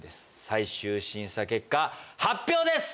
最終審査結果発表です